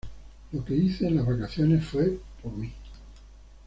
Lo que hice en las vacaciones fue por mí.